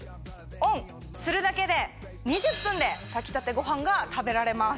するだけで２０分で炊きたてご飯が食べられます。